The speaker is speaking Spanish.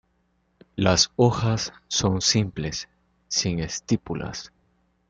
Las hojas son simples, sin estípulas.